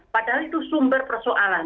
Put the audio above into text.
padahal itu sumber persoalan